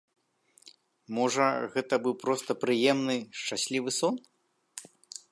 Можа, гэта быў проста прыемны, шчаслівы сон?